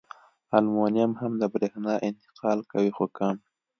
المونیم هم د برېښنا انتقال کوي خو کم.